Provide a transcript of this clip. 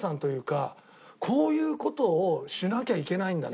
こういう事をしなきゃいけないんだな。